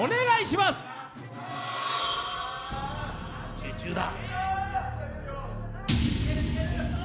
集中だ。